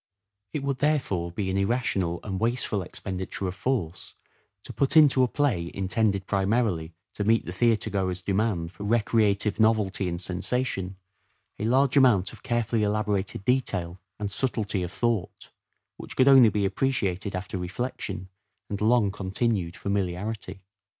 It would therefore be an irrational and wasteful expenditure of force to put into a play intended primarily to meet the theatre goer's demand for recreative novelty and sensation, a large amount FINAL OR SHAKESPEAREAN PERIOD 383 of carefully elaborated detail and subtlety of thought, which could only be appreciated after reflection and long continued familiarity.